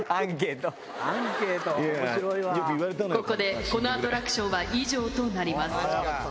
ここでこのアトラクションは以上となります。